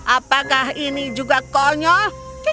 apakah ini juga konyol